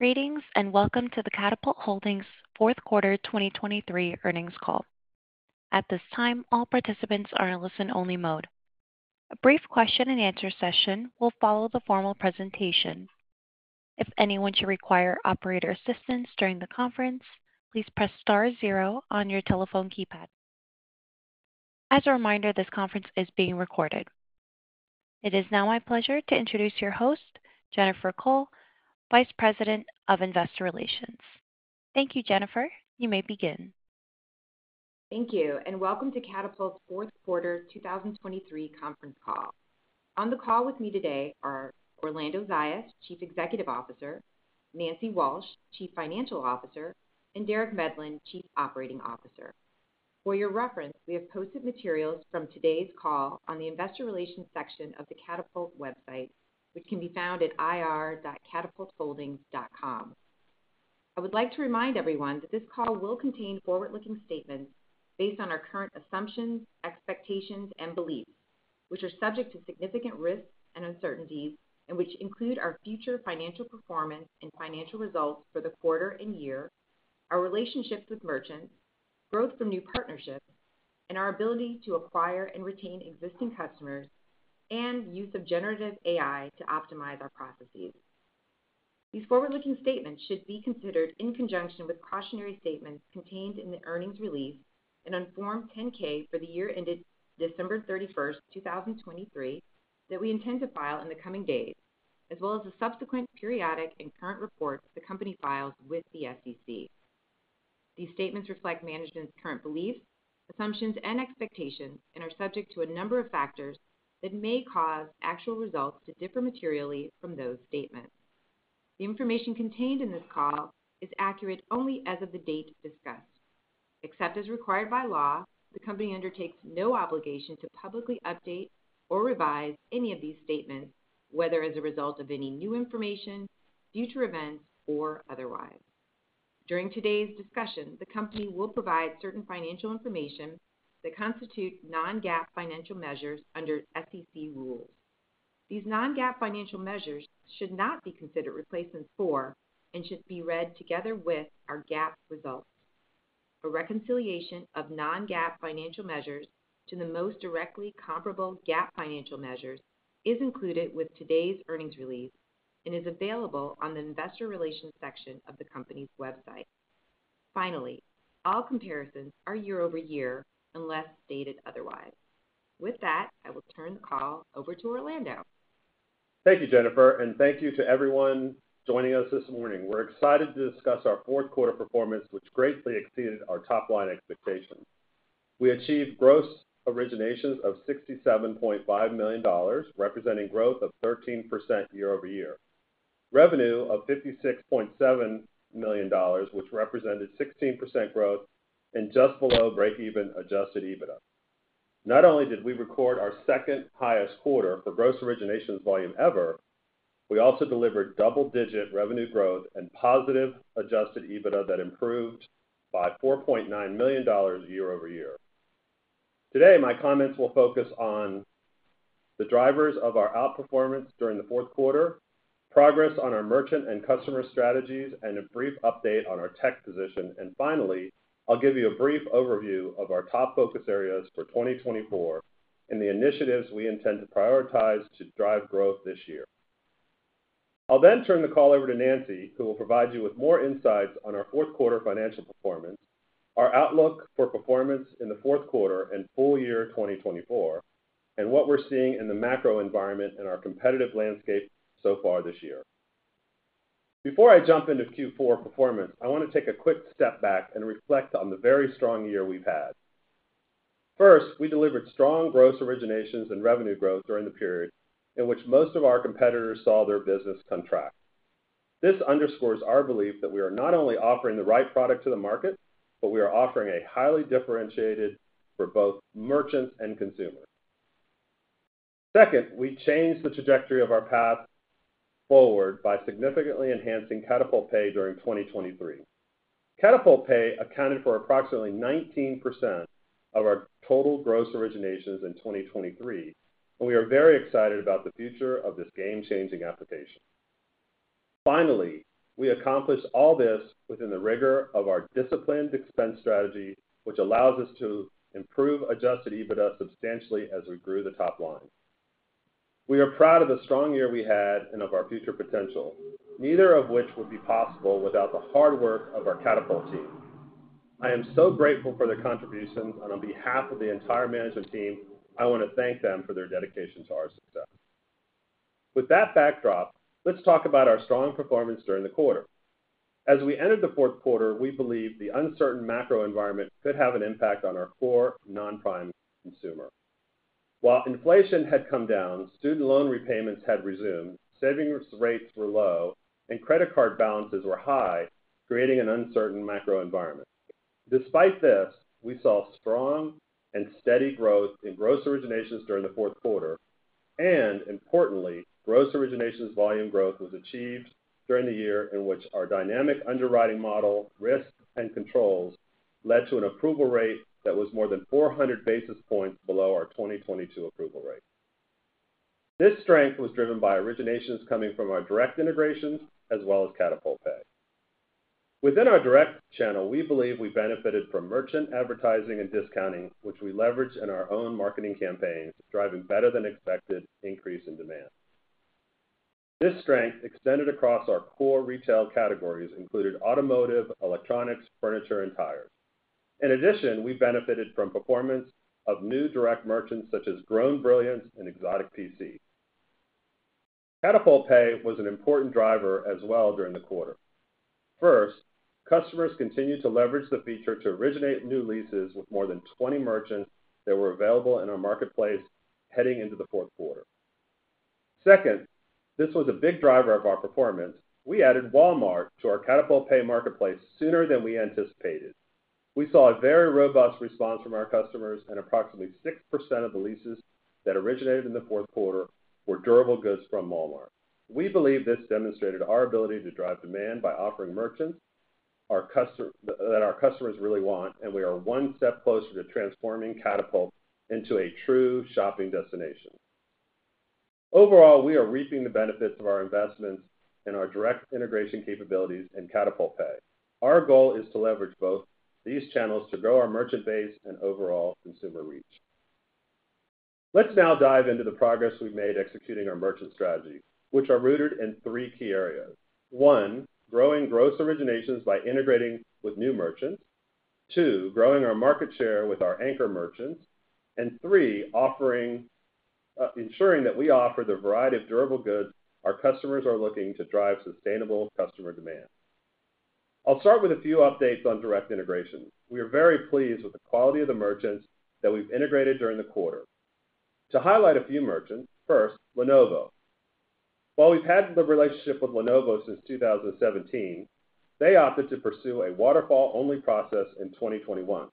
Greetings and welcome to the Katapult Holdings' Q4 2023 Earnings Call. At this time, all participants are in a listen-only mode. A brief question-and-answer session will follow the formal presentation. If anyone should require operator assistance during the conference, please press star zero on your telephone keypad. As a reminder, this conference is being recorded. It is now my pleasure to introduce your host, Jennifer Kull, Vice President of Investor Relations. Thank you, Jennifer. You may begin. Thank you, and welcome to Katapult's Q4 2023 Conference Call. On the call with me today are Orlando Zayas, Chief Executive Officer; Nancy Walsh, Chief Financial Officer; and Derek Medlin, Chief Operating Officer. For your reference, we have posted materials from today's call on the Investor Relations section of the Katapult website, which can be found at ir.katapultholdings.com. I would like to remind everyone that this call will contain forward-looking statements based on our current assumptions, expectations, and beliefs, which are subject to significant risks and uncertainties and which include our future financial performance and financial results for the quarter and year, our relationships with merchants, growth from new partnerships, and our ability to acquire and retain existing customers, and use of generative AI to optimize our processes. These forward-looking statements should be considered in conjunction with cautionary statements contained in the earnings release and on Form 10-K for the year ended December 31st, 2023, that we intend to file in the coming days, as well as the subsequent periodic and current reports the company files with the SEC. These statements reflect management's current beliefs, assumptions, and expectations, and are subject to a number of factors that may cause actual results to differ materially from those statements. The information contained in this call is accurate only as of the date discussed. Except as required by law, the company undertakes no obligation to publicly update or revise any of these statements, whether as a result of any new information, future events, or otherwise. During today's discussion, the company will provide certain financial information that constitute non-GAAP financial measures under SEC rules. These non-GAAP financial measures should not be considered replacements for and should be read together with our GAAP results. A reconciliation of non-GAAP financial measures to the most directly comparable GAAP financial measures is included with today's earnings release and is available on the Investor Relations section of the company's website. Finally, all comparisons are year-over-year unless stated otherwise. With that, I will turn the call over to Orlando. Thank you, Jennifer, and thank you to everyone joining us this morning. We're excited to discuss our Q4 performance, which greatly exceeded our top-line expectations. We achieved gross originations of $67.5 million, representing growth of 13% year-over-year. Revenue of $56.7 million, which represented 16% growth and just below break-even Adjusted EBITDA. Not only did we record our second-highest quarter for gross originations volume ever, we also delivered double-digit revenue growth and positive Adjusted EBITDA that improved by $4.9 million year-over-year. Today, my comments will focus on the drivers of our outperformance during the Q4, progress on our merchant and customer strategies, and a brief update on our tech position. Finally, I'll give you a brief overview of our top focus areas for 2024 and the initiatives we intend to prioritize to drive growth this year. I'll then turn the call over to Nancy, who will provide you with more insights on our Q4 financial performance, our outlook for performance in the Q4 and full year 2024, and what we're seeing in the macro environment and our competitive landscape so far this year. Before I jump into Q4 performance, I want to take a quick step back and reflect on the very strong year we've had. First, we delivered strong gross originations and revenue growth during the period in which most of our competitors saw their business contract. This underscores our belief that we are not only offering the right product to the market, but we are offering a highly differentiated. For both merchants and consumers. Second, we changed the trajectory of our path forward by significantly enhancing Katapult Pay during 2023. Katapult Pay accounted for approximately 19% of our total gross originations in 2023, and we are very excited about the future of this game-changing application. Finally, we accomplished all this within the rigor of our disciplined expense strategy, which allows us to improve adjusted EBITDA substantially as we grew the top line. We are proud of the strong year we had and of our future potential, neither of which would be possible without the hard work of our Katapult team. I am so grateful for their contributions, and on behalf of the entire management team, I want to thank them for their dedication to our success. With that backdrop, let's talk about our strong performance during the quarter. As we entered the Q4, we believed the uncertain macro environment could have an impact on our core non-prime consumer. While inflation had come down, student loan repayments had resumed, savings rates were low, and credit card balances were high, creating an uncertain macro environment. Despite this, we saw strong and steady growth in gross originations during the Q4, and importantly, gross originations volume growth was achieved during the year in which our dynamic underwriting model, risks, and controls led to an approval rate that was more than 400 basis points below our 2022 approval rate. This strength was driven by originations coming from our direct integrations as well as Katapult Pay. Within our direct channel, we believe we benefited from merchant advertising and discounting, which we leveraged in our own marketing campaigns, driving better-than-expected increase in demand. This strength extended across our core retail categories, including automotive, electronics, furniture, and tires. In addition, we benefited from performance of new direct merchants such as Grown Brilliance and XOTIC PC. Katapult Pay was an important driver as well during the quarter. First, customers continued to leverage the feature to originate new leases with more than 20 merchants that were available in our marketplace heading into the Q4. Second, this was a big driver of our performance. We added Walmart to our Katapult Pay marketplace sooner than we anticipated. We saw a very robust response from our customers, and approximately 6% of the leases that originated in the Q4 were durable goods from Walmart. We believe this demonstrated our ability to drive demand by offering merchants that our customers really want, and we are one step closer to transforming Katapult into a true shopping destination. Overall, we are reaping the benefits of our investments in our direct integration capabilities and Katapult Pay. Our goal is to leverage both these channels to grow our merchant base and overall consumer reach. Let's now dive into the progress we've made executing our merchant strategy, which are rooted in three key areas: one, growing gross originations by integrating with new merchants; two, growing our market share with our anchor merchants; and three, ensuring that we offer the variety of durable goods our customers are looking to drive sustainable customer demand. I'll start with a few updates on direct integration. We are very pleased with the quality of the merchants that we've integrated during the quarter. To highlight a few merchants, first, Lenovo. While we've had the relationship with Lenovo since 2017, they opted to pursue a waterfall-only process in 2021.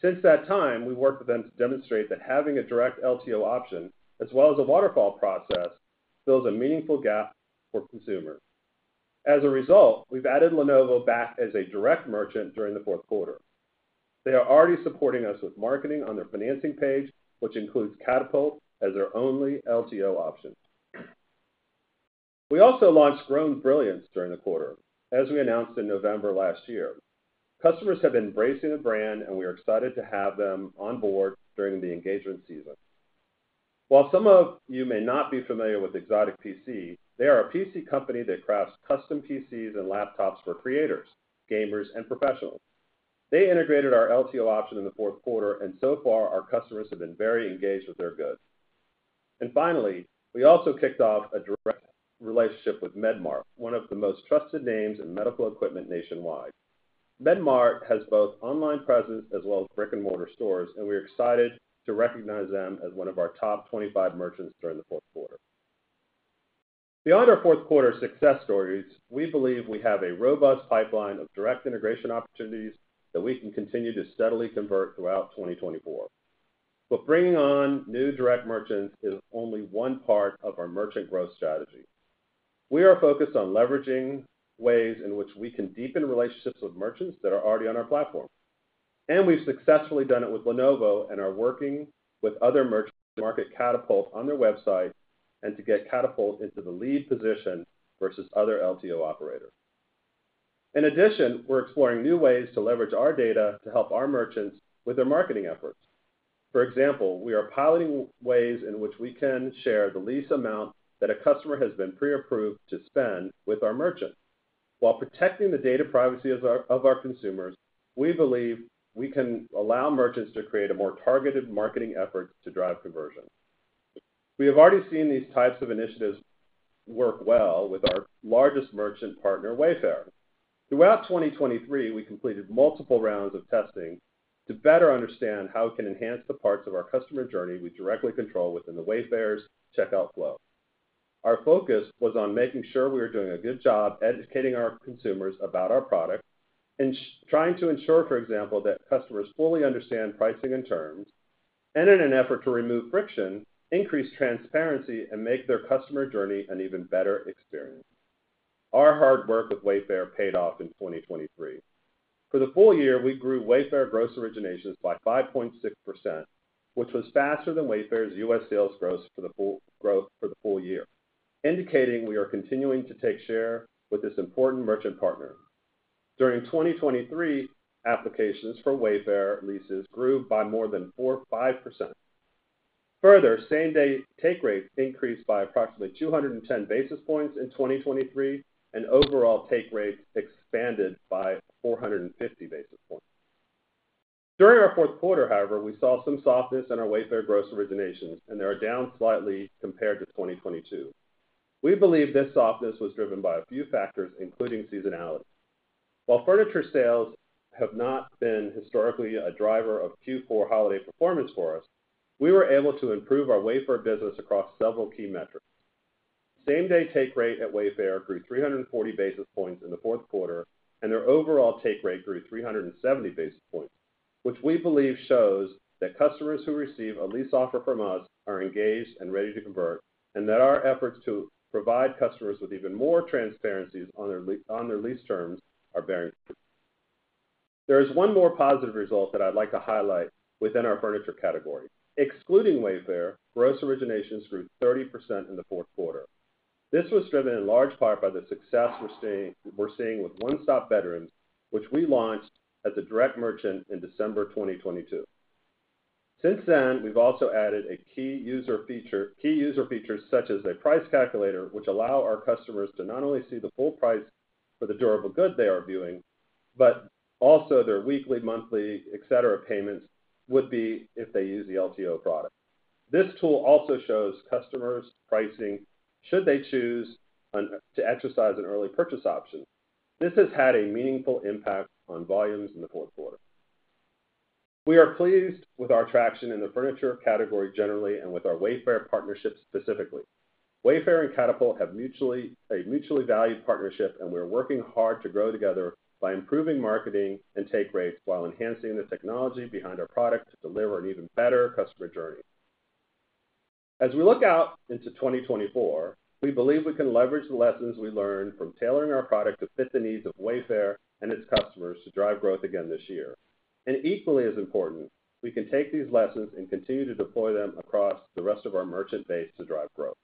Since that time, we've worked with them to demonstrate that having a direct LTO option as well as a waterfall process fills a meaningful gap for consumers. As a result, we've added Lenovo back as a direct merchant during the Q4. They are already supporting us with marketing on their financing page, which includes Katapult as their only LTO option. We also launched Grown Brilliance during the quarter, as we announced in November last year. Customers have been embracing the brand, and we are excited to have them on board during the engagement season. While some of you may not be familiar with XOTIC PC, they are a PC company that crafts custom PCs and laptops for creators, gamers, and professionals. They integrated our LTO option in the Q4, and so far, our customers have been very engaged with their goods. And finally, we also kicked off a direct relationship with Med Mart, one of the most trusted names in medical equipment nationwide. Med Mart has both online presence as well as brick-and-mortar stores, and we are excited to recognize them as one of our top 25 merchants during the Q4. Beyond our Q4 success stories, we believe we have a robust pipeline of direct integration opportunities that we can continue to steadily convert throughout 2024. But bringing on new direct merchants is only one part of our merchant growth strategy. We are focused on leveraging ways in which we can deepen relationships with merchants that are already on our platform. And we've successfully done it with Lenovo and are working with other merchants to market Katapult on their website and to get Katapult into the lead position versus other LTO operators. In addition, we're exploring new ways to leverage our data to help our merchants with their marketing efforts. For example, we are piloting ways in which we can share the lease amount that a customer has been pre-approved to spend with our merchant. While protecting the data privacy of our consumers, we believe we can allow merchants to create a more targeted marketing effort to drive conversion. We have already seen these types of initiatives work well with our largest merchant partner, Wayfair. Throughout 2023, we completed multiple rounds of testing to better understand how we can enhance the parts of our customer journey we directly control within Wayfair's checkout flow. Our focus was on making sure we were doing a good job educating our consumers about our product and trying to ensure, for example, that customers fully understand pricing and terms, and in an effort to remove friction, increase transparency, and make their customer journey an even better experience. Our hard work with Wayfair paid off in 2023. For the full year, we grew Wayfair gross originations by 5.6%, which was faster than Wayfair's U.S. sales growth for the full year, indicating we are continuing to take share with this important merchant partner. During 2023, applications for Wayfair leases grew by more than 4.5%. Further, same-day take rates increased by approximately 210 basis points in 2023, and overall take rates expanded by 450 basis points. During our Q4, however, we saw some softness in our Wayfair gross originations, and they are down slightly compared to 2022. We believe this softness was driven by a few factors, including seasonality. While furniture sales have not been historically a driver of Q4 holiday performance for us, we were able to improve our Wayfair business across several key metrics. Same-day take rate at Wayfair grew 340 basis points in the Q4, and their overall take rate grew 370 basis points, which we believe shows that customers who receive a lease offer from us are engaged and ready to convert, and that our efforts to provide customers with even more transparencies on their lease terms are bearing fruit. There is one more positive result that I'd like to highlight within our furniture category. Excluding Wayfair, gross originations grew 30% in the Q4. This was driven in large part by the success we're seeing with 1StopBedrooms, which we launched as a direct merchant in December 2022. Since then, we've also added key user features such as a price calculator, which allows our customers to not only see the full price for the durable good they are viewing, but also their weekly, monthly, etc. payments would be if they use the LTO product. This tool also shows customers' pricing should they choose to exercise an early purchase option. This has had a meaningful impact on volumes in the Q4. We are pleased with our traction in the furniture category generally and with our Wayfair partnership specifically. Wayfair and Katapult have a mutually valued partnership, and we're working hard to grow together by improving marketing and take rates while enhancing the technology behind our product to deliver an even better customer journey. As we look out into 2024, we believe we can leverage the lessons we learned from tailoring our product to fit the needs of Wayfair and its customers to drive growth again this year. And equally as important, we can take these lessons and continue to deploy them across the rest of our merchant base to drive growth.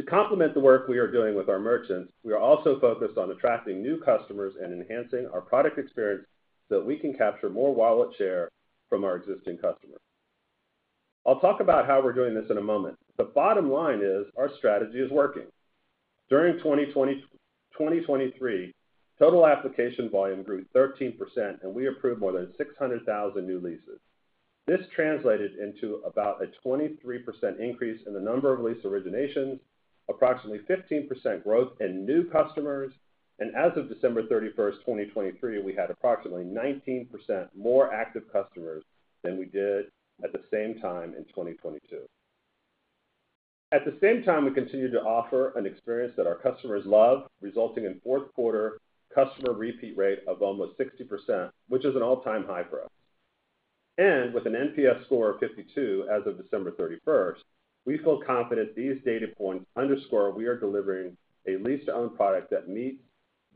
To complement the work we are doing with our merchants, we are also focused on attracting new customers and enhancing our product experience so that we can capture more wallet share from our existing customers. I'll talk about how we're doing this in a moment. The bottom line is our strategy is working. During 2023, total application volume grew 13%, and we approved more than 600,000 new leases. This translated into about a 23% increase in the number of lease originations, approximately 15% growth in new customers, and as of December 31st, 2023, we had approximately 19% more active customers than we did at the same time in 2022. At the same time, we continue to offer an experience that our customers love, resulting in a Q4 customer repeat rate of almost 60%, which is an all-time high for us. With an NPS score of 52 as of December 31st, we feel confident these data points underscore we are delivering a lease-to-own product that meets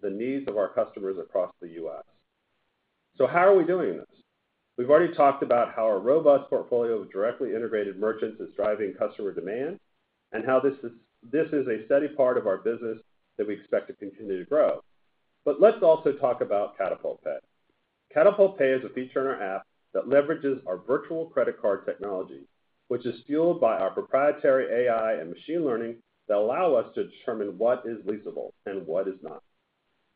the needs of our customers across the U.S. So how are we doing this? We've already talked about how our robust portfolio of directly integrated merchants is driving customer demand and how this is a steady part of our business that we expect to continue to grow. Let's also talk about Katapult Pay. Katapult Pay is a feature in our app that leverages our virtual credit card technology, which is fueled by our proprietary AI and machine learning that allow us to determine what is leasable and what is not.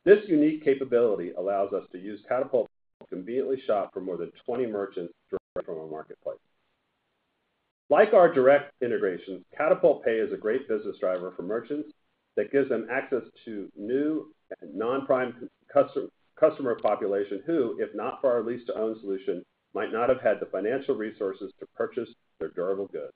This unique capability allows us to use Katapult to conveniently shop for more than 20 merchants directly from our marketplace. Like our direct integrations, Katapult Pay is a great business driver for merchants that gives them access to new and non-prime customer population who, if not for our lease-to-own solution, might not have had the financial resources to purchase their durable goods.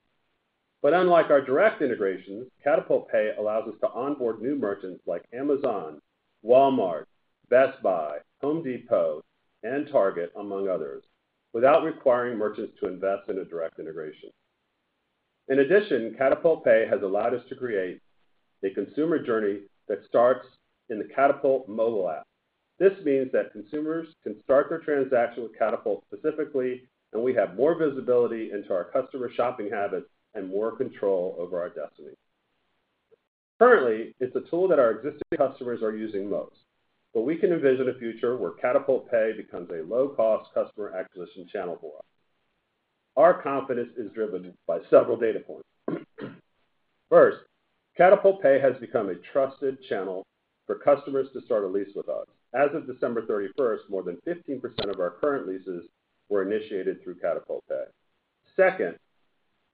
But unlike our direct integrations, Katapult Pay allows us to onboard new merchants like Amazon, Walmart, Best Buy, Home Depot, and Target, among others, without requiring merchants to invest in a direct integration. In addition, Katapult Pay has allowed us to create a consumer journey that starts in the Katapult mobile app. This means that consumers can start their transaction with Katapult specifically, and we have more visibility into our customer shopping habits and more control over our destiny. Currently, it's a tool that our existing customers are using most, but we can envision a future where Katapult Pay becomes a low-cost customer acquisition channel for us. Our confidence is driven by several data points. First, Katapult Pay has become a trusted channel for customers to start a lease with us. As of December 31st, more than 15% of our current leases were initiated through Katapult Pay. Second,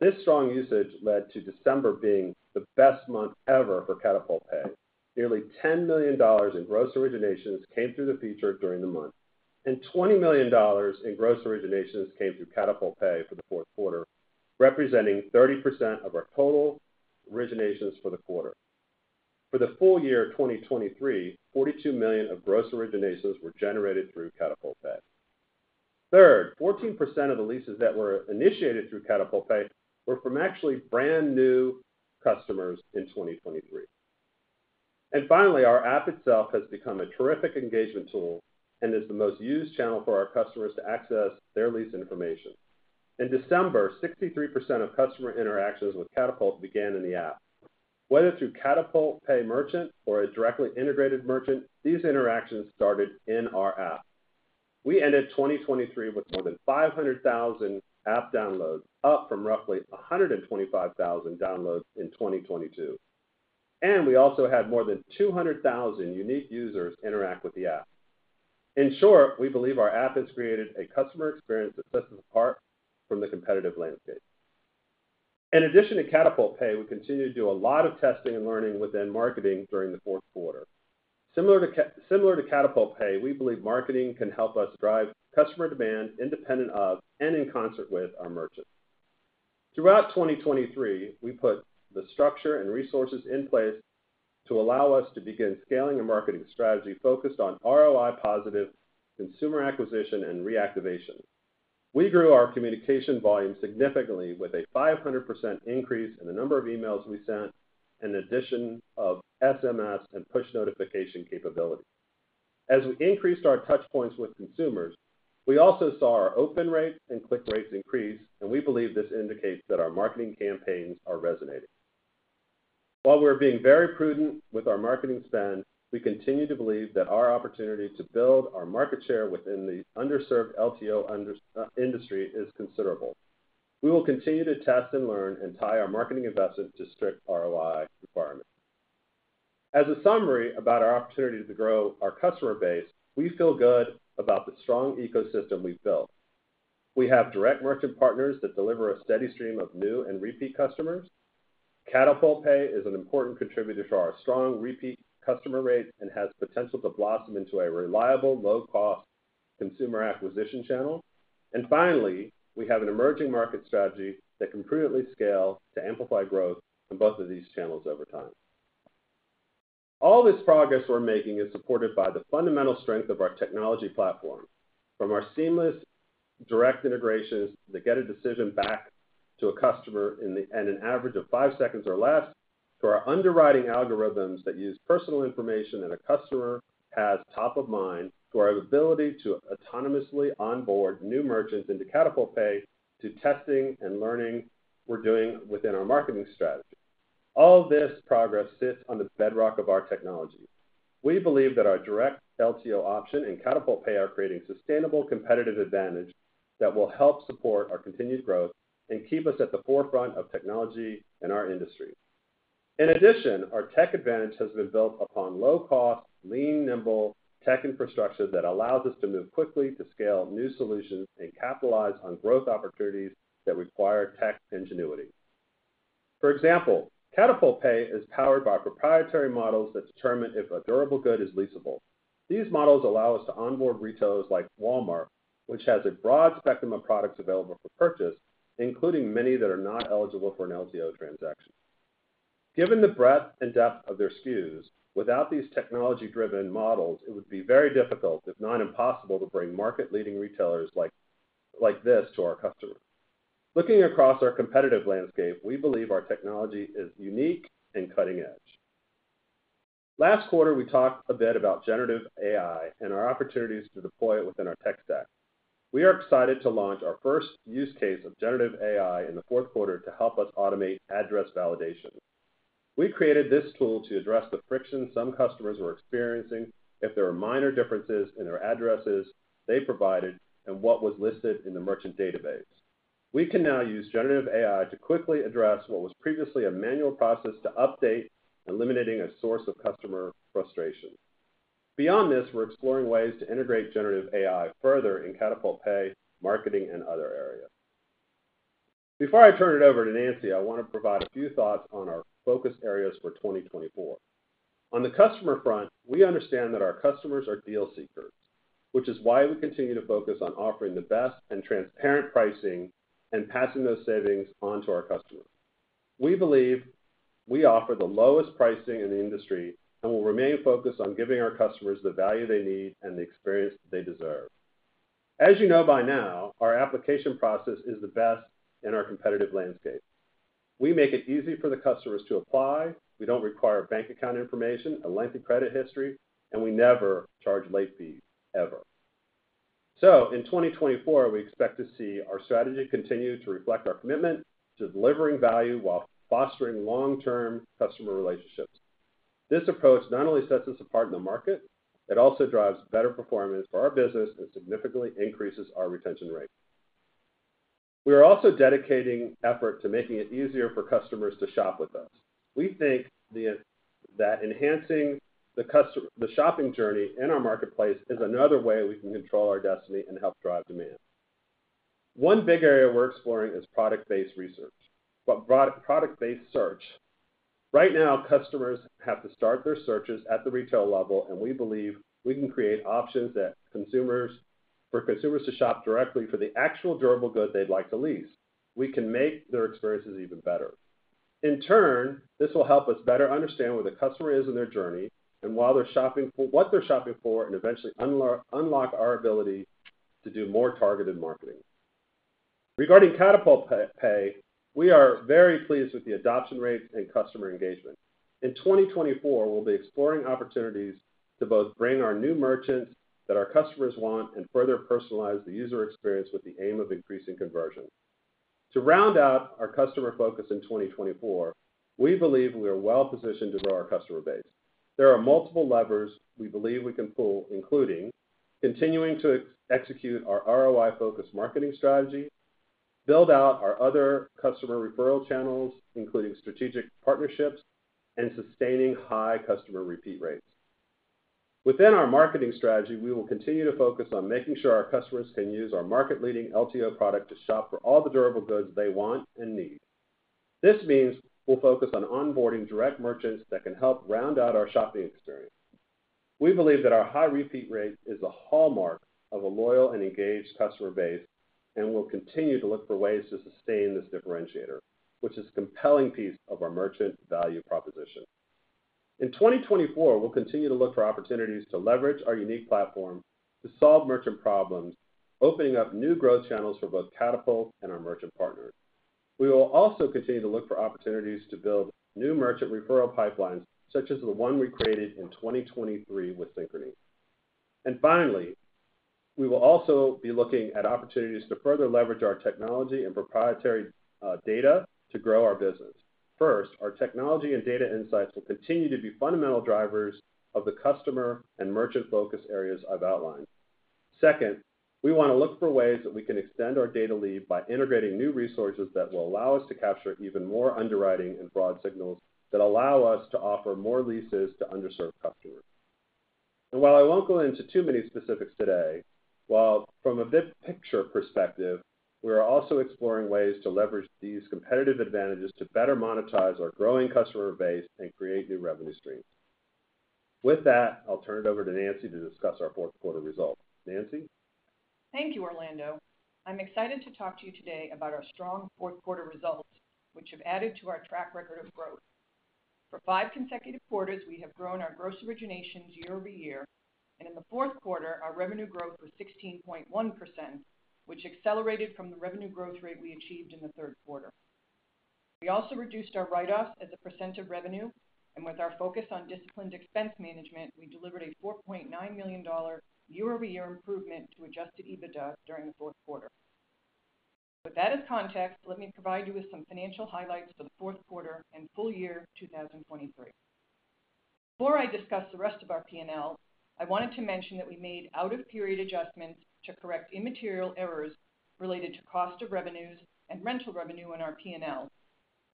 this strong usage led to December being the best month ever for Katapult Pay. Nearly $10 million in gross originations came through the feature during the month, and $20 million in gross originations came through Katapult Pay for the Q4, representing 30% of our total originations for the quarter. For the full year 2023, $42 million of gross originations were generated through Katapult Pay. Third, 14% of the leases that were initiated through Katapult Pay were from actually brand new customers in 2023. And finally, our app itself has become a terrific engagement tool and is the most used channel for our customers to access their lease information. In December, 63% of customer interactions with Katapult began in the app. Whether through Katapult Pay merchant or a directly integrated merchant, these interactions started in our app. We ended 2023 with more than 500,000 app downloads, up from roughly 125,000 downloads in 2022. We also had more than 200,000 unique users interact with the app. In short, we believe our app has created a customer experience that sets us apart from the competitive landscape. In addition to Katapult Pay, we continue to do a lot of testing and learning within marketing during the Q4. Similar to Katapult Pay, we believe marketing can help us drive customer demand independent of and in concert with our merchants. Throughout 2023, we put the structure and resources in place to allow us to begin scaling a marketing strategy focused on ROI-positive consumer acquisition and reactivation. We grew our communication volume significantly with a 500% increase in the number of emails we sent and an addition of SMS and push notification capabilities. As we increased our touchpoints with consumers, we also saw our open rates and click rates increase, and we believe this indicates that our marketing campaigns are resonating. While we're being very prudent with our marketing spend, we continue to believe that our opportunity to build our market share within the underserved LTO industry is considerable. We will continue to test and learn and tie our marketing investment to strict ROI requirements. As a summary about our opportunity to grow our customer base, we feel good about the strong ecosystem we've built. We have direct merchant partners that deliver a steady stream of new and repeat customers. Katapult Pay is an important contributor to our strong repeat customer rates and has potential to blossom into a reliable, low-cost consumer acquisition channel. And finally, we have an emerging market strategy that can prudently scale to amplify growth in both of these channels over time. All this progress we're making is supported by the fundamental strength of our technology platform. From our seamless direct integrations that get a decision back to a customer in an average of five seconds or less, to our underwriting algorithms that use personal information that a customer has top of mind, to our ability to autonomously onboard new merchants into Katapult Pay to testing and learning we're doing within our marketing strategy. All of this progress sits on the bedrock of our technology. We believe that our direct LTO option and Katapult Pay are creating sustainable competitive advantage that will help support our continued growth and keep us at the forefront of technology in our industry. In addition, our tech advantage has been built upon low-cost, lean, nimble tech infrastructure that allows us to move quickly to scale new solutions and capitalize on growth opportunities that require tech ingenuity. For example, Katapult Pay is powered by proprietary models that determine if a durable good is leasable. These models allow us to onboard retailers like Walmart, which has a broad spectrum of products available for purchase, including many that are not eligible for an LTO transaction. Given the breadth and depth of their SKUs, without these technology-driven models, it would be very difficult, if not impossible, to bring market-leading retailers like this to our customers. Looking across our competitive landscape, we believe our technology is unique and cutting edge. Last quarter, we talked a bit about generative AI and our opportunities to deploy it within our tech stack. We are excited to launch our first use case of generative AI in the Q4 to help us automate address validation. We created this tool to address the friction some customers were experiencing if there were minor differences in their addresses they provided and what was listed in the merchant database. We can now use generative AI to quickly address what was previously a manual process to update, eliminating a source of customer frustration. Beyond this, we're exploring ways to integrate generative AI further in Katapult Pay, marketing, and other areas. Before I turn it over to Nancy, I want to provide a few thoughts on our focus areas for 2024. On the customer front, we understand that our customers are deal seekers, which is why we continue to focus on offering the best and transparent pricing and passing those savings onto our customers. We believe we offer the lowest pricing in the industry and will remain focused on giving our customers the value they need and the experience they deserve. As you know by now, our application process is the best in our competitive landscape. We make it easy for the customers to apply. We don't require bank account information, a lengthy credit history, and we never charge late fees, ever. So in 2024, we expect to see our strategy continue to reflect our commitment to delivering value while fostering long-term customer relationships. This approach not only sets us apart in the market, it also drives better performance for our business and significantly increases our retention rate. We are also dedicating effort to making it easier for customers to shop with us. We think that enhancing the shopping journey in our marketplace is another way we can control our destiny and help drive demand. One big area we're exploring is product-based research. Right now, customers have to start their searches at the retail level, and we believe we can create options for consumers to shop directly for the actual durable good they'd like to lease. We can make their experiences even better. In turn, this will help us better understand where the customer is in their journey and what they're shopping for and eventually unlock our ability to do more targeted marketing. Regarding Katapult Pay, we are very pleased with the adoption rates and customer engagement. In 2024, we'll be exploring opportunities to both bring our new merchants that our customers want and further personalize the user experience with the aim of increasing conversion. To round out our customer focus in 2024, we believe we are well-positioned to grow our customer base. There are multiple levers we believe we can pull, including continuing to execute our ROI-focused marketing strategy, build out our other customer referral channels, including strategic partnerships, and sustaining high customer repeat rates. Within our marketing strategy, we will continue to focus on making sure our customers can use our market-leading LTO product to shop for all the durable goods they want and need. This means we'll focus on onboarding direct merchants that can help round out our shopping experience. We believe that our high repeat rate is a hallmark of a loyal and engaged customer base, and we'll continue to look for ways to sustain this differentiator, which is a compelling piece of our merchant value proposition. In 2024, we'll continue to look for opportunities to leverage our unique platform to solve merchant problems, opening up new growth channels for both Katapult and our merchant partners. We will also continue to look for opportunities to build new merchant referral pipelines, such as the one we created in 2023 with Synchrony. Finally, we will also be looking at opportunities to further leverage our technology and proprietary data to grow our business. First, our technology and data insights will continue to be fundamental drivers of the customer and merchant focus areas I've outlined. Second, we want to look for ways that we can extend our data leap by integrating new resources that will allow us to capture even more underwriting and broad signals that allow us to offer more leases to underserved customers. And while I won't go into too many specifics today, from a big picture perspective, we are also exploring ways to leverage these competitive advantages to better monetize our growing customer base and create new revenue streams. With that, I'll turn it over to Nancy to discuss our Q4 results. Nancy? Thank you, Orlando. I'm excited to talk to you today about our strong Q4 results, which have added to our track record of growth. For five consecutive quarters, we have grown our gross originations year-over-year, and in the Q4, our revenue growth was 16.1%, which accelerated from the revenue growth rate we achieved in the Q3. We also reduced our write-offs as a percent of revenue, and with our focus on disciplined expense management, we delivered a $4.9 million year-over-year improvement to Adjusted EBITDA during the Q4. With that as context, let me provide you with some financial highlights for the Q4 and full year 2023. Before I discuss the rest of our P&L, I wanted to mention that we made out-of-period adjustments to correct immaterial errors related to cost of revenues and rental revenue in our P&L.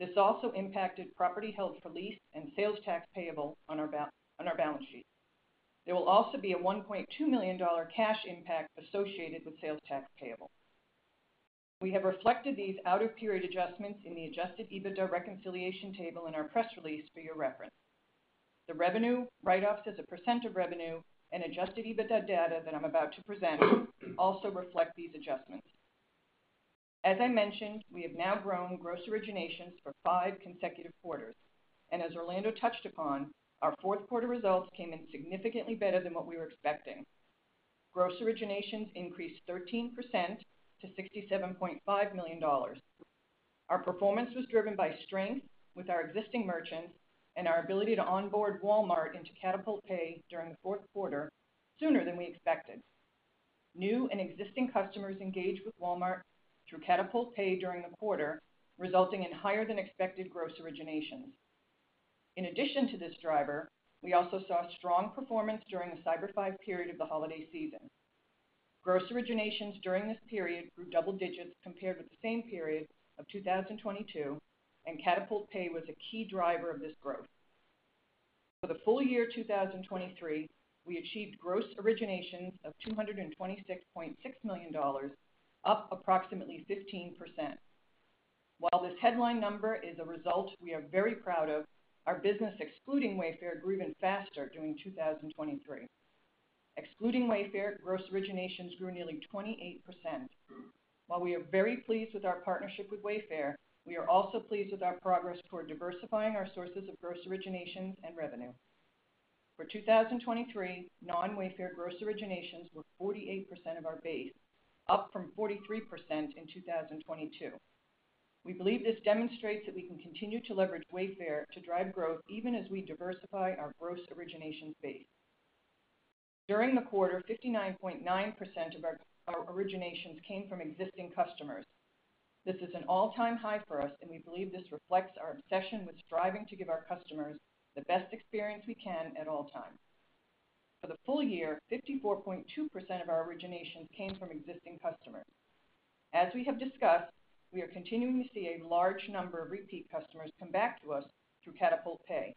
This also impacted property held for lease and sales tax payable on our balance sheet. There will also be a $1.2 million cash impact associated with sales tax payable. We have reflected these out-of-period adjustments in the Adjusted EBITDA reconciliation table in our press release for your reference. The revenue write-offs as a percent of revenue and Adjusted EBITDA data that I'm about to present also reflect these adjustments. As I mentioned, we have now grown gross originations for five consecutive quarters. As Orlando touched upon, our Q4 results came in significantly better than what we were expecting. Gross originations increased 13% to $67.5 million. Our performance was driven by strength with our existing merchants and our ability to onboard Walmart into Katapult Pay during the Q4 sooner than we expected. New and existing customers engaged with Walmart through Katapult Pay during the quarter, resulting in higher-than-expected gross originations. In addition to this driver, we also saw strong performance during the Cyber 5 period of the holiday season. Gross originations during this period grew double digits compared with the same period of 2022, and Katapult Pay was a key driver of this growth. For the full year 2023, we achieved gross originations of $226.6 million, up approximately 15%. While this headline number is a result we are very proud of, our business excluding Wayfair grew even faster during 2023. Excluding Wayfair, gross originations grew nearly 28%. While we are very pleased with our partnership with Wayfair, we are also pleased with our progress toward diversifying our sources of gross originations and revenue. For 2023, non-Wayfair gross originations were 48% of our base, up from 43% in 2022. We believe this demonstrates that we can continue to leverage Wayfair to drive growth even as we diversify our gross originations base. During the quarter, 59.9% of our originations came from existing customers. This is an all-time high for us, and we believe this reflects our obsession with striving to give our customers the best experience we can at all times. For the full year, 54.2% of our originations came from existing customers. As we have discussed, we are continuing to see a large number of repeat customers come back to us through Katapult Pay.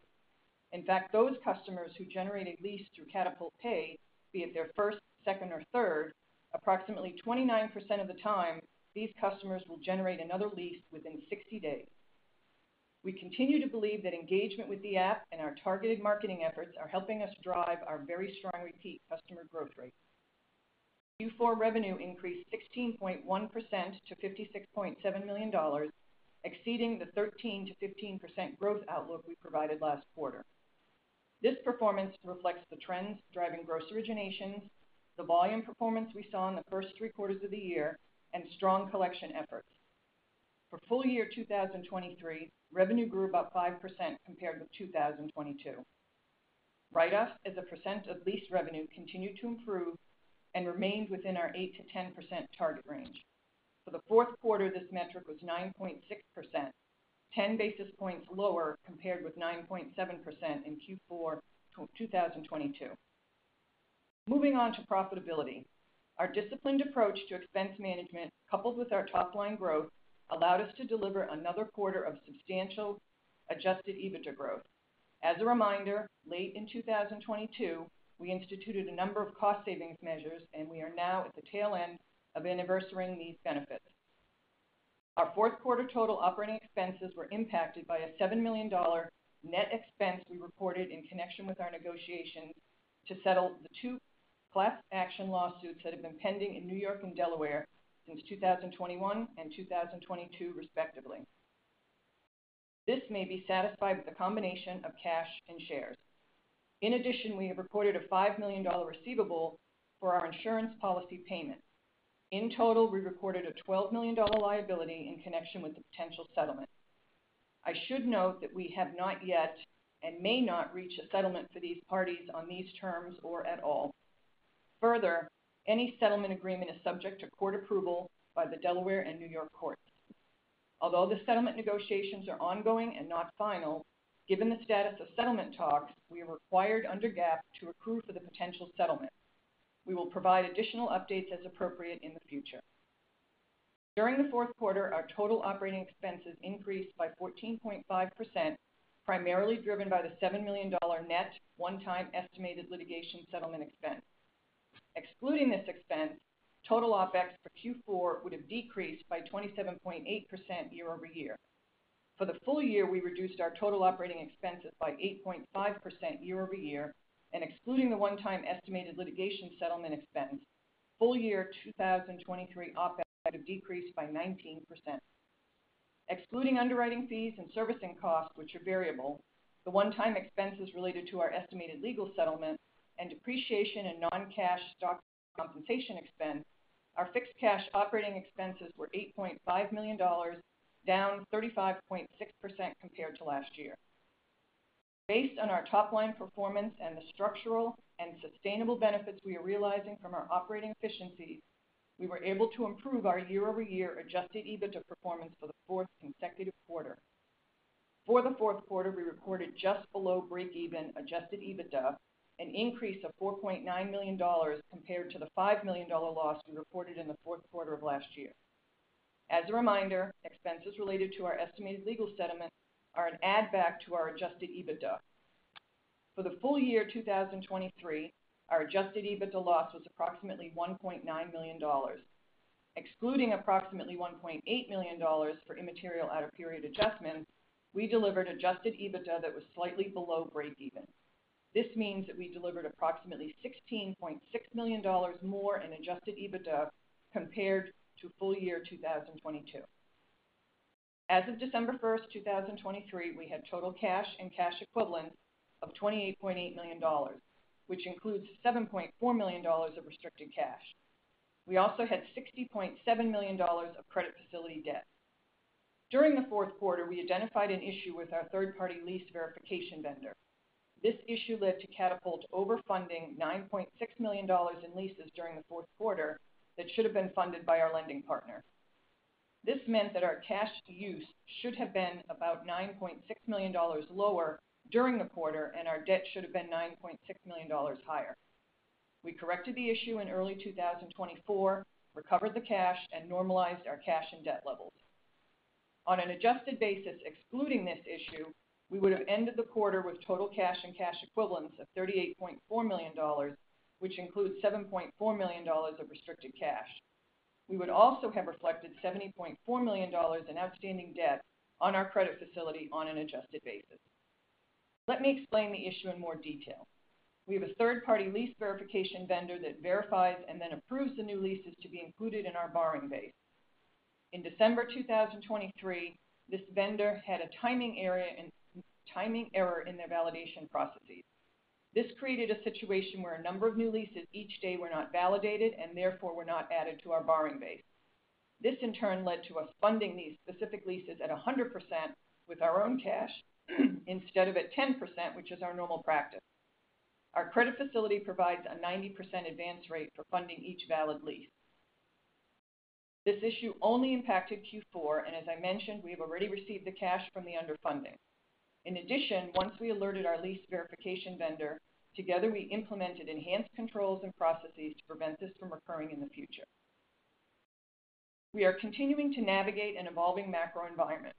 In fact, those customers who generate a lease through Katapult Pay, be it their first, second, or third, approximately 29% of the time, these customers will generate another lease within 60 days. We continue to believe that engagement with the app and our targeted marketing efforts are helping us drive our very strong repeat customer growth rate. Q4 revenue increased 16.1% to $56.7 million, exceeding the 13% to 15% growth outlook we provided last quarter. This performance reflects the trends driving gross originations, the volume performance we saw in the first three quarters of the year, and strong collection efforts. For full year 2023, revenue grew about 5% compared with 2022. Write-offs as a percent of lease revenue continued to improve and remained within our 8% to 10% target range. For the Q4, this metric was 9.6%, 10 basis points lower compared with 9.7% in Q4 2022. Moving on to profitability, our disciplined approach to expense management, coupled with our top-line growth, allowed us to deliver another quarter of substantial Adjusted EBITDA growth. As a reminder, late in 2022, we instituted a number of cost-savings measures, and we are now at the tail end of anniversarying these benefits. Our Q4 total operating expenses were impacted by a $7 million net expense we reported in connection with our negotiations to settle the two class action lawsuits that have been pending in New York and Delaware since 2021 and 2022, respectively. This may be satisfied with a combination of cash and shares. In addition, we have reported a $5 million receivable for our insurance policy payments. In total, we reported a $12 million liability in connection with the potential settlement. I should note that we have not yet and may not reach a settlement for these parties on these terms or at all. Further, any settlement agreement is subject to court approval by the Delaware and New York courts. Although the settlement negotiations are ongoing and not final, given the status of settlement talks, we are required under GAAP to accrue for the potential settlement. We will provide additional updates as appropriate in the future. During the Q4, our total operating expenses increased by 14.5%, primarily driven by the $7 million net one-time estimated litigation settlement expense. Excluding this expense, total OpEx for Q4 would have decreased by 27.8% year-over-year. For the full year, we reduced our total operating expenses by 8.5% year-over-year, and excluding the one-time estimated litigation settlement expense, full year 2023 OpEx would have decreased by 19%. Excluding underwriting fees and servicing costs, which are variable, the one-time expenses related to our estimated legal settlement, and depreciation and non-cash stock compensation expense, our fixed cash operating expenses were $8.5 million, down 35.6% compared to last year. Based on our top-line performance and the structural and sustainable benefits we are realizing from our operating efficiencies, we were able to improve our year-over-year Adjusted EBITDA performance for the fourth consecutive quarter. For the Q4, we recorded just below break-even Adjusted EBITDA, an increase of $4.9 million compared to the $5 million loss we reported in the Q4 of last year. As a reminder, expenses related to our estimated legal settlement are an add-back to our Adjusted EBITDA. For the full year 2023, our Adjusted EBITDA loss was approximately $1.9 million. Excluding approximately $1.8 million for immaterial out-of-period adjustments, we delivered Adjusted EBITDA that was slightly below break-even. This means that we delivered approximately $16.6 million more in Adjusted EBITDA compared to full year 2022. As of December 1, 2023, we had total cash and cash equivalents of $28.8 million, which includes $7.4 million of restricted cash. We also had $60.7 million of credit facility debt. During the Q4, we identified an issue with our third-party lease verification vendor. This issue led to Katapult overfunding $9.6 million in leases during the Q4 that should have been funded by our lending partner. This meant that our cash use should have been about $9.6 million lower during the quarter, and our debt should have been $9.6 million higher. We corrected the issue in early 2024, recovered the cash, and normalized our cash and debt levels. On an adjusted basis, excluding this issue, we would have ended the quarter with total cash and cash equivalents of $38.4 million, which includes $7.4 million of restricted cash. We would also have reflected $70.4 million in outstanding debt on our credit facility on an adjusted basis. Let me explain the issue in more detail. We have a third-party lease verification vendor that verifies and then approves the new leases to be included in our borrowing base. In December 2023, this vendor had a timing error in their validation processes. This created a situation where a number of new leases each day were not validated and therefore were not added to our borrowing base. This, in turn, led to us funding these specific leases at 100% with our own cash instead of at 10%, which is our normal practice. Our credit facility provides a 90% advance rate for funding each valid lease. This issue only impacted Q4, and as I mentioned, we have already received the cash from the underfunding. In addition, once we alerted our lease verification vendor, together we implemented enhanced controls and processes to prevent this from recurring in the future. We are continuing to navigate an evolving macro environment.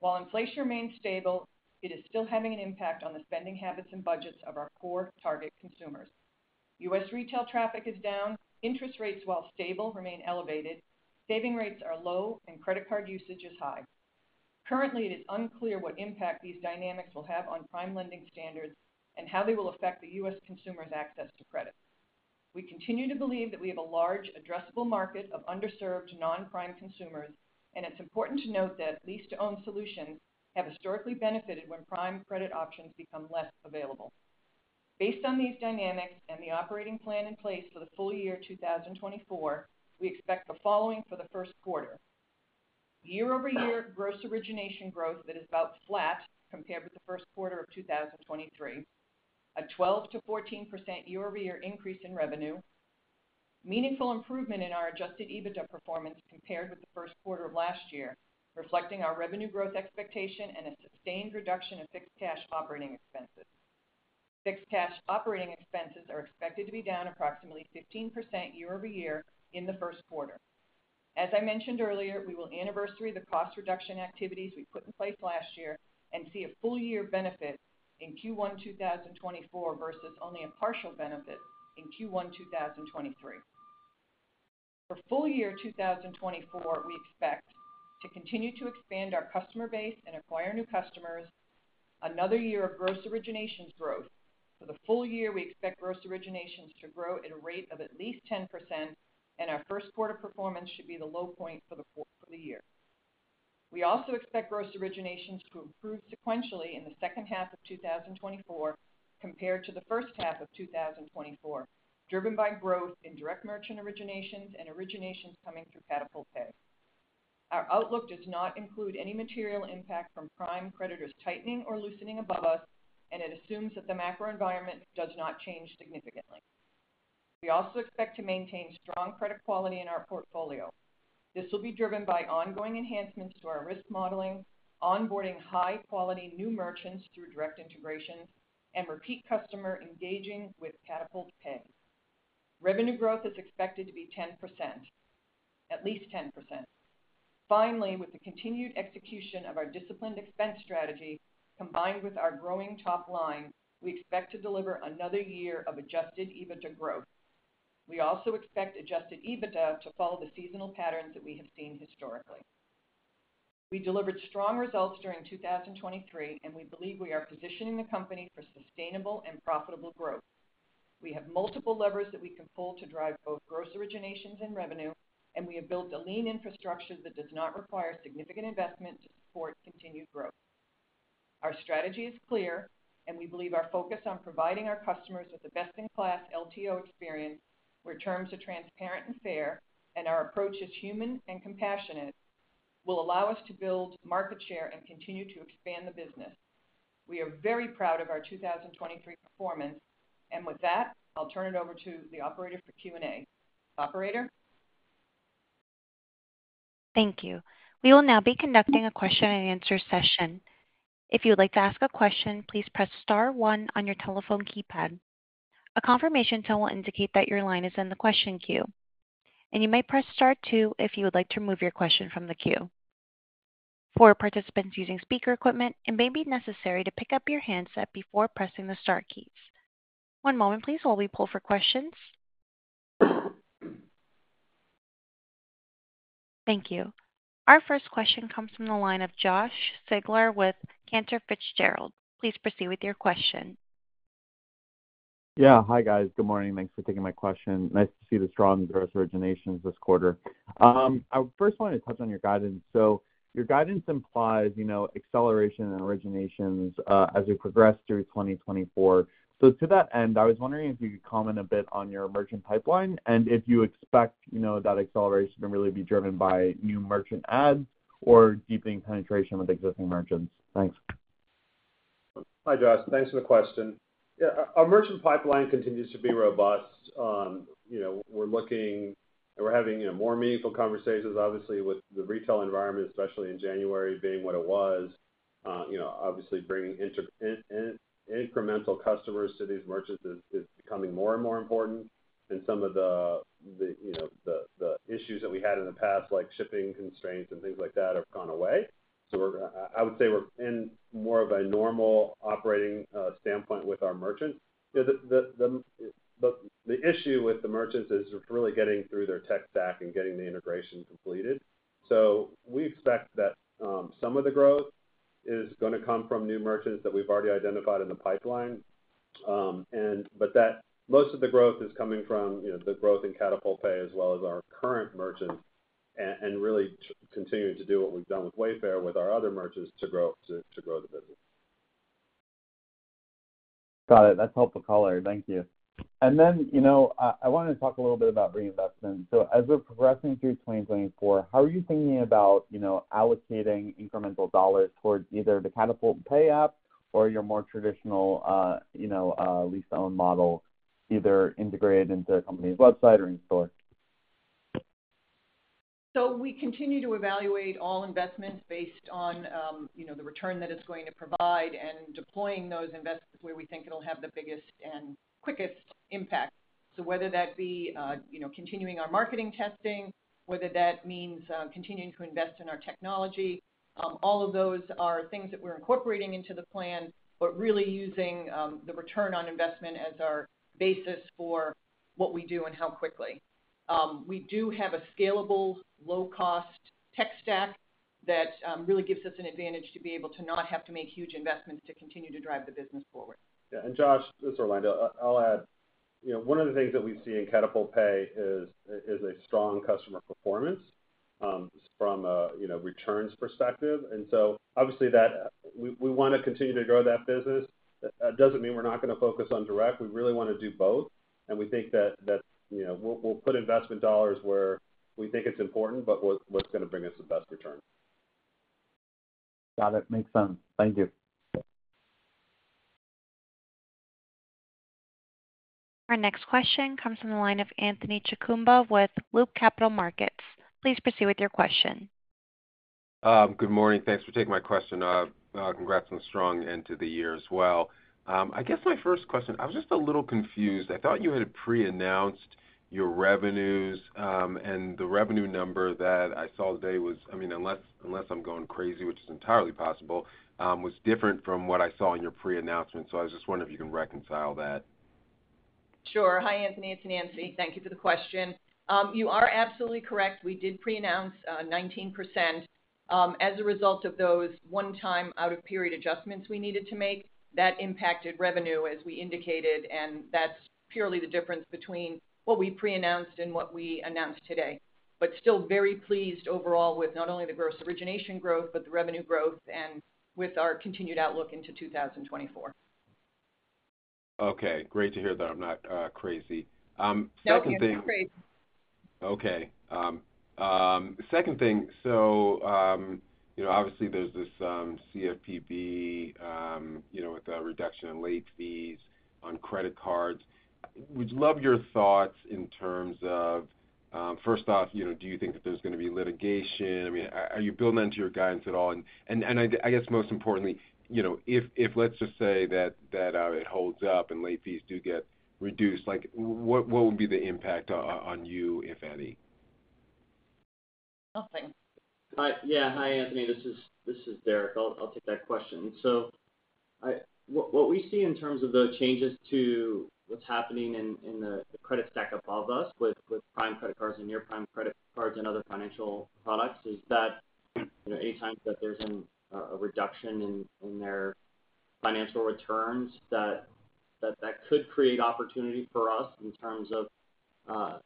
While inflation remains stable, it is still having an impact on the spending habits and budgets of our core target consumers. U.S. retail traffic is down, interest rates while stable remain elevated, saving rates are low, and credit card usage is high. Currently, it is unclear what impact these dynamics will have on prime lending standards and how they will affect the U.S. consumer's access to credit. We continue to believe that we have a large, addressable market of underserved non-prime consumers, and it's important to note that lease-to-own solutions have historically benefited when prime credit options become less available. Based on these dynamics and the operating plan in place for the full year 2024, we expect the following for the Q1: year-over-year gross origination growth that is about flat compared with the Q1 of 2023, a 12% to 14% year-over-year increase in revenue, meaningful improvement in our Adjusted EBITDA performance compared with the Q1 of last year, reflecting our revenue growth expectation, and a sustained reduction of fixed cash operating expenses. Fixed cash operating expenses are expected to be down approximately 15% year-over-year in the Q1. As I mentioned earlier, we will anniversary the cost reduction activities we put in place last year and see a full-year benefit in Q1 2024 versus only a partial benefit in Q1 2023. For full year 2024, we expect to continue to expand our customer base and acquire new customers, another year of gross originations growth. For the full year, we expect gross originations to grow at a rate of at least 10%, and our Q1 performance should be the low point for the year. We also expect gross originations to improve sequentially in the second half of 2024 compared to the first half of 2024, driven by growth in direct merchant originations and originations coming through Katapult Pay. Our outlook does not include any material impact from prime creditors tightening or loosening above us, and it assumes that the macro environment does not change significantly. We also expect to maintain strong credit quality in our portfolio. This will be driven by ongoing enhancements to our risk modeling, onboarding high-quality new merchants through direct integration, and repeat customer engaging with Katapult Pay. Revenue growth is expected to be 10%, at least 10%. Finally, with the continued execution of our disciplined expense strategy combined with our growing top line, we expect to deliver another year of Adjusted EBITDA growth. We also expect Adjusted EBITDA to follow the seasonal patterns that we have seen historically. We delivered strong results during 2023, and we believe we are positioning the company for sustainable and profitable growth. We have multiple levers that we can pull to drive both gross originations and revenue, and we have built a lean infrastructure that does not require significant investment to support continued growth. Our strategy is clear, and we believe our focus on providing our customers with the best-in-class LTO experience, where terms are transparent and fair, and our approach is human and compassionate, will allow us to build market share and continue to expand the business. We are very proud of our 2023 performance, and with that, I'll turn it over to the operator for Q&A. Operator? Thank you. We will now be conducting a question-and-answer session. If you would like to ask a question, please press star one on your telephone keypad. A confirmation tone will indicate that your line is in the question queue, and you might press star two if you would like to move your question from the queue. For participants using speaker equipment, it may be necessary to pick up your handset before pressing the star keys. One moment, please, while we poll for questions. Thank you. Our first question comes from the line of Josh Siegler with Cantor Fitzgerald. Please proceed with your question. Yeah. Hi, guys. Good morning. Thanks for taking my question. Nice to see the strong gross originations this quarter. I first wanted to touch on your guidance. So your guidance implies acceleration in originations as we progress through 2024. So to that end, I was wondering if you could comment a bit on your merchant pipeline and if you expect that acceleration to really be driven by new merchant adds or deepening penetration with existing merchants. Thanks. Hi, Josh. Thanks for the question. Yeah, our merchant pipeline continues to be robust. We're looking and we're having more meaningful conversations, obviously, with the retail environment, especially in January being what it was. Obviously, bringing incremental customers to these merchants is becoming more and more important, and some of the issues that we had in the past, like shipping constraints and things like that, have gone away. So I would say we're in more of a normal operating standpoint with our merchants. The issue with the merchants is really getting through their tech stack and getting the integration completed. So we expect that some of the growth is going to come from new merchants that we've already identified in the pipeline, but that most of the growth is coming from the growth in Katapult Pay as well as our current merchants and really continuing to do what we've done with Wayfair with our other merchants to grow the business. Got it. That's helpful color. Thank you. And then I wanted to talk a little bit about reinvestment. So as we're progressing through 2024, how are you thinking about allocating incremental dollars towards either the Katapult Pay app or your more traditional lease-to-own model, either integrated into a company's website or in-store? So we continue to evaluate all investments based on the return that it's going to provide and deploying those investments where we think it'll have the biggest and quickest impact. So whether that be continuing our marketing testing, whether that means continuing to invest in our technology, all of those are things that we're incorporating into the plan but really using the return on investment as our basis for what we do and how quickly. We do have a scalable, low-cost tech stack that really gives us an advantage to be able to not have to make huge investments to continue to drive the business forward. And Josh, this is Orlando. I'll add. One of the things that we see in Katapult Pay is a strong customer performance from a returns perspective. And so obviously, we want to continue to grow that business. It doesn't mean we're not going to focus on direct. We really want to do both, and we think that we'll put investment dollars where we think it's important but what's going to bring us the best return. Got it. Makes sense. Thank you. Our next question comes from the line of Anthony Chukumba with Loop Capital Markets. Please proceed with your question. Good morning. Thanks for taking my question. Congrats on the strong end to the year as well. I guess my first question I was just a little confused. I thought you had pre-announced your revenues, and the revenue number that I saw today was, I mean, unless I'm going crazy, which is entirely possible, was different from what I saw in your pre-announcement. So I was just wondering if you can reconcile that. Sure. Hi, Anthony. It's Nancy. Thank you for the question. You are absolutely correct. We did pre-announce 19%. As a result of those one-time out-of-period adjustments we needed to make, that impacted revenue, as we indicated, and that's purely the difference between what we pre-announce and what we announced today. But still very pleased overall with not only the gross origination growth but the revenue growth and with our continued outlook into 2024. Great to hear that. I'm not crazy. Second thing. No, you're not crazy. Okay. Second thing, so obviously, there's this CFPB with a reduction in late fees on credit cards. Would love your thoughts in terms of first off, do you think that there's going to be litigation? I mean, are you building that into your guidance at all? And I guess most importantly, if let's just say that it holds up and late fees do get reduced, what would be the impact on you, if any? Nothing. Hi, Anthony. This is Derek. I'll take that question. So what we see in terms of the changes to what's happening in the credit stack above us with prime credit cards and near-prime credit cards and other financial products is that anytime that there's a reduction in their financial returns, that could create opportunity for us in terms of a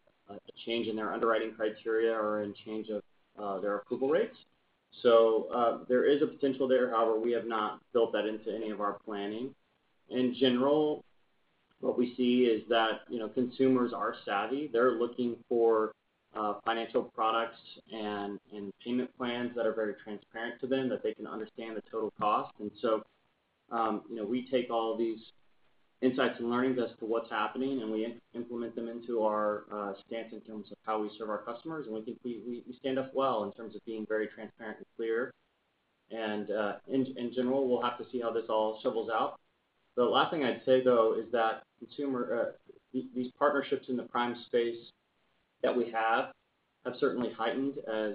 change in their underwriting criteria or in change of their approval rates. So there is a potential there. However, we have not built that into any of our planning. In general, what we see is that consumers are savvy. They're looking for financial products and payment plans that are very transparent to them, that they can understand the total cost. And so we take all these insights and learnings as to what's happening, and we implement them into our stance in terms of how we serve our customers. And we think we stand up well in terms of being very transparent and clear. And in general, we'll have to see how this all shakes out. The last thing I'd say, though, is that these partnerships in the prime space that we have have certainly heightened as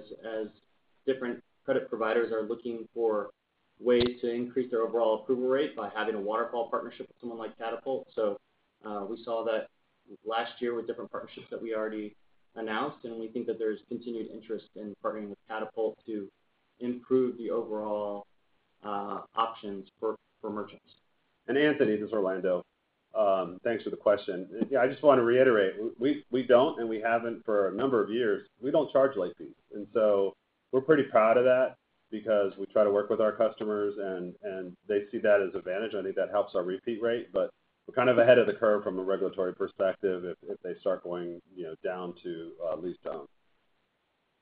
different credit providers are looking for ways to increase their overall approval rate by having a waterfall partnership with someone like Katapult. So we saw that last year with different partnerships that we already announced, and we think that there's continued interest in partnering with Katapult to improve the overall options for merchants. And Anthony, this is Orlando. Thanks for the question. Yeah, I just want to reiterate. We don't, and we haven't for a number of years. We don't charge late fees. So we're pretty proud of that because we try to work with our customers, and they see that as an advantage. I think that helps our repeat rate, but we're kind of ahead of the curve from a regulatory perspective if they start going down to lease-to-own.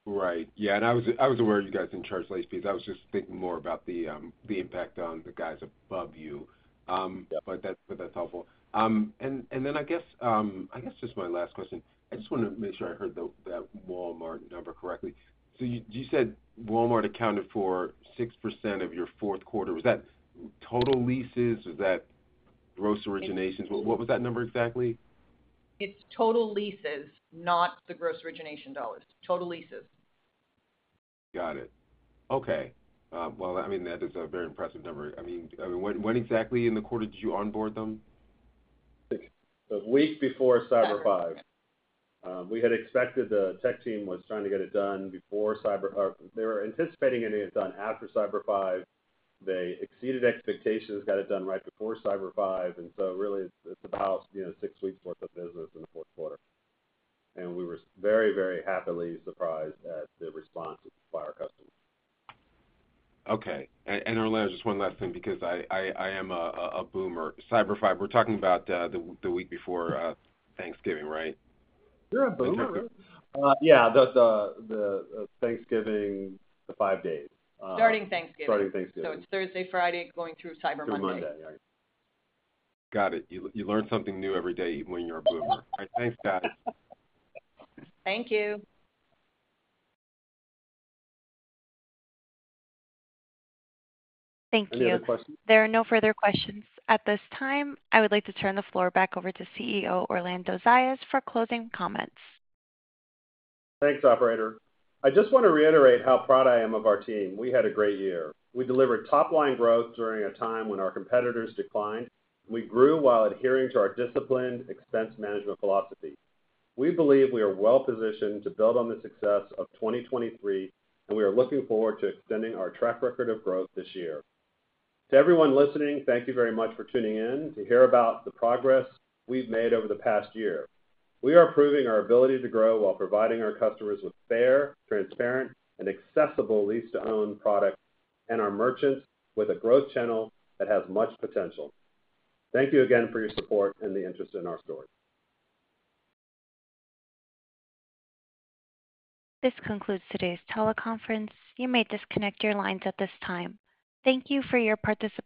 Right. Yeah. And I was aware you guys didn't charge late fees. I was just thinking more about the impact on the guys above you, but that's helpful. And then I guess just my last question. I just want to make sure I heard that Walmart number correctly. So you said Walmart accounted for 6% of your Q4. Was that total leases? Was that gross originations? What was that number exactly? It's total leases, not the gross originations dollars. Total leases. Got it. Okay. Well, I mean, that is a very impressive number. I mean, when exactly in the quarter did you onboard them? The week before Cyber 5. We had expected the tech team was trying to get it done before Cyber 5, they were anticipating getting it done after Cyber 5. They exceeded expectations, got it done right before Cyber 5. And so really, it's about six weeks' worth of business in the Q4. And we were very, very happily surprised at the response by our customers. Okay. And Orlando, just one last thing because I am a boomer. Cyber 5, we're talking about the week before Thanksgiving, right? You're a boomer. Yeah, Thanksgiving, the five days. Starting Thanksgiving. Starting Thanksgiving. So it's Thursday, Friday, going through Cyber Monday. Through Monday. Yeah. Got it. You learn something new every day when you're a boomer. All right. Thanks, guys. Thank you. Thank you. Any other questions? There are no further questions at this time. I would like to turn the floor back over to CEO Orlando Zayas for closing comments. Thanks, operator. I just want to reiterate how proud I am of our team. We had a great year. We delivered top-line growth during a time when our competitors declined. We grew while adhering to our disciplined expense management philosophy. We believe we are well-positioned to build on the success of 2023, and we are looking forward to extending our track record of growth this year. To everyone listening, thank you very much for tuning in to hear about the progress we've made over the past year. We are proving our ability to grow while providing our customers with fair, transparent, and accessible lease-to-own products and our merchants with a growth channel that has much potential. Thank you again for your support and the interest in our story. This concludes today's teleconference. You may disconnect your lines at this time. Thank you for your participation.